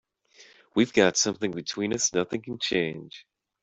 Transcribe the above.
We've got something between us nothing can change.